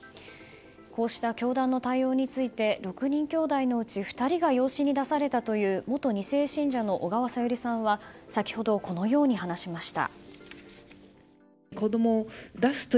こうした教団の対応について６人きょうだいのうち２人が養子に出されたという元２世信者の小川さゆりさんは先ほど、このように話しました。